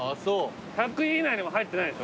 １００位以内にも入ってないんでしょ。